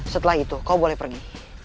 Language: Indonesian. setelah itu kau boleh pergi